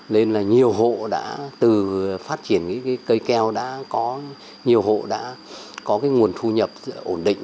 nên là nhiều hộ đã từ phát triển cái cây keo đã có nhiều hộ đã có cái nguồn thu nhập ổn định